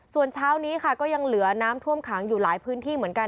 ส่วนเช้านี้ค่ะก็ยังเหลือน้ำท่วมขังอยู่หลายพื้นที่เหมือนกัน